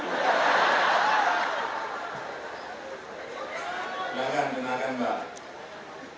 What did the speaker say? tenangkan tenangkan mbak